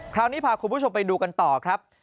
คราวนี้พาคุณผู้ชมไปดูกันต่อครับ